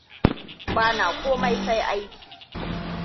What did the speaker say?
Ba na komai sai aiki.